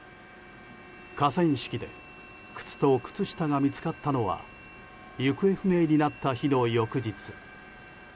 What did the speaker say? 河川敷で靴と靴下が見つかったのは行方不明になった日の翌日。